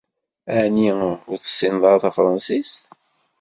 Aɛni ur tessineḍ ara tafransist?